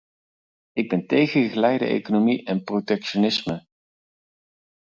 Ik ben tegen geleide economie en protectionisme.